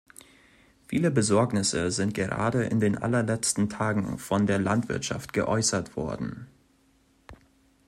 Viele Besorgnisse sind gerade in den allerletzten Tagen von der Landwirtschaft geäußert worden.